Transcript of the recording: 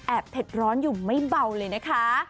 เผ็ดร้อนอยู่ไม่เบาเลยนะคะ